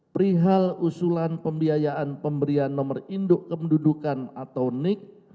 perihal usulan pembiayaan pemberian nomor induk kependudukan atau nik